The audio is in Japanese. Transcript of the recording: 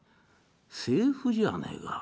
財布じゃねえか。